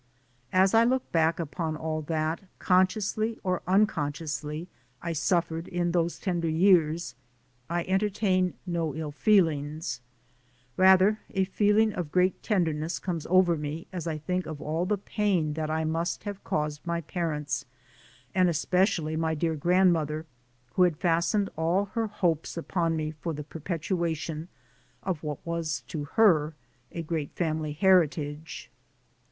As I look back upon all that, consciously or unconsciously, I suffered in those ten der years, I entertain no ill feelings. Rather, a feeling of great tenderness comes over me as I think of all the pain that I must have caused my parents and especially my dear grandmother, who had fas tened all her hopes upon me for the perpetuation of what was to her a great family heritage.